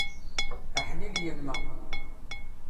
Aḥlil yemma!